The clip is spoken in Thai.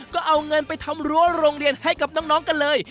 ก็เอาเงินไปทำรั้วโรงเรียนให้กับน้องกันเลย